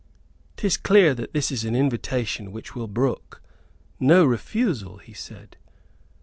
"'Tis clear that this is an invitation which will brook no refusal," he said.